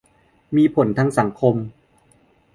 มีผลทางสังคม